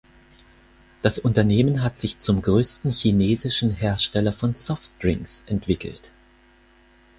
Das Unternehmen hat sich zum größten chinesischen Hersteller von Softdrinks entwickelt.